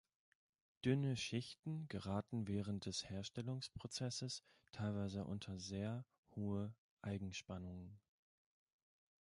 Dünne Schichten geraten während des Herstellungsprozesses teilweise unter sehr hohe Eigenspannungen.